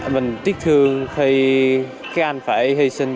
mình tiếc thương khi các anh phải hy sinh